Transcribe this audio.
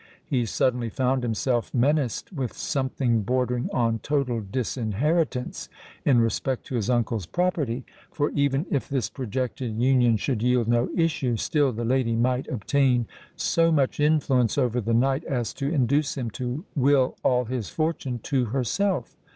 He suddenly found himself menaced with something bordering on total disinheritance in respect to his uncle's property; for, even if this projected union should yield no issue, still the lady might obtain so much influence over the knight as to induce him to will all his fortune to herself.